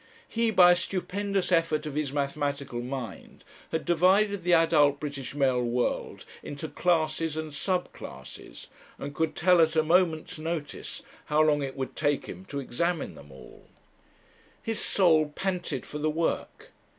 He, by a stupendous effort of his mathematical mind, had divided the adult British male world into classes and sub classes, and could tell at a moment's notice how long it would take him to examine them all. His soul panted for the work.